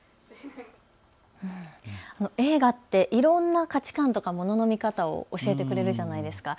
映画っていろんな価値観とかものの見方を教えてくれるじゃないですか。